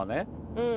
うん。